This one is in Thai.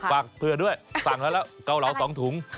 เผื่อด้วยสั่งแล้วแล้วเกาเหลา๒ถุง